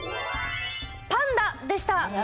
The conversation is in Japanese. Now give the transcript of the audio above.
パンダでした。